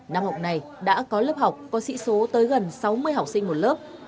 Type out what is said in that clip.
năm học này đã có lớp học có sĩ số tới gần sáu mươi học sinh một lớp